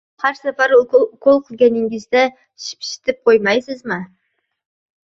Har safar ukol qilganingizda shipshitib qo`ymaysizmi